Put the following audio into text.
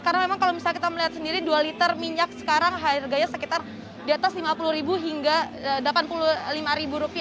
karena memang kalau misalnya kita melihat sendiri dua liter minyak sekarang harganya sekitar di atas rp lima puluh hingga rp delapan puluh lima